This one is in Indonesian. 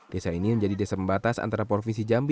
desa ini menjadi desa pembatas antara provinsi jambi